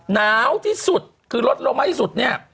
หนาวที่สุดคือลดลงมากที่สุดเนี่ย